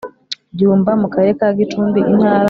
byumba mu karere ka gicumbi intara